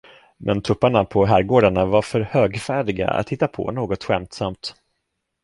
Men tupparna på herrgårdarna var för högfärdiga att hitta på något skämtsamt.